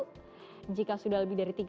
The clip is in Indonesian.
yang lalu jika sudah lebih dari